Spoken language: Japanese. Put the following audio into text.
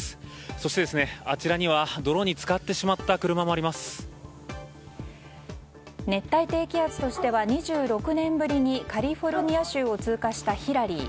そして、あちらには泥に浸かってしまった車も熱帯低気圧としては２６年ぶりにカリフォルニア州を通過したヒラリー。